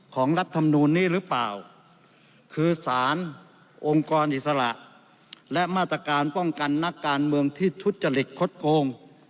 รัฐธรรมนูลนี้หรือเปล่าคือสารองค์กรอิสระและมาตรการป้องกันนักการเมืองที่ทุจริตคดโกง